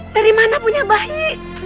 dari mana punya bayi